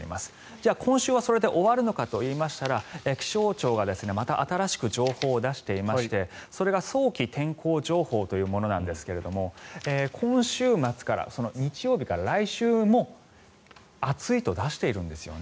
じゃあ今週はそれで終わるのかといいましたら気象庁はまた新しく情報を出していましてそれが早期天候情報というものなんですが今週末から、日曜日から来週も暑いと出しているんですよね。